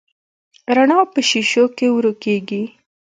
رڼا په شیشو کې ورو کېږي.